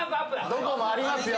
どこもありますよ。